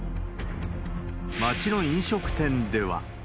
街の飲食店では。